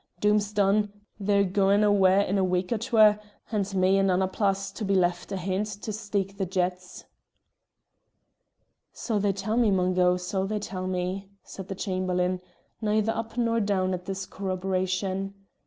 Doom's done; they're gaun awa' in a week or twa, and me and Annapla's to be left ahint to steek the yetts." "So they tell me, Mungo; so they tell me," said the Chamberlain, neither up nor down at this corroboration.